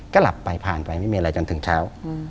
ก็หลับไปผ่านไปไม่มีอะไรจนถึงเช้า